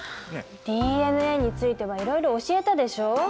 ＤＮＡについてはいろいろ教えたでしょ？